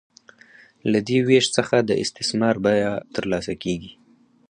له دې وېش څخه د استثمار بیه ترلاسه کېږي